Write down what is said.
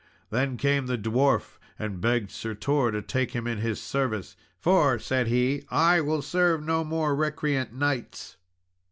Then came the dwarf and begged Sir Tor to take him in his service, "for," said he, "I will serve no more recreant knights."